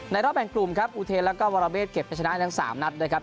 รอบแบ่งกลุ่มครับอุเทนแล้วก็วรเมฆเก็บจะชนะทั้ง๓นัดนะครับ